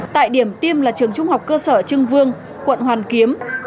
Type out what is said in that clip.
tại điểm tiêm là trường trung học cơ sở trưng vương quận hoàn kiếm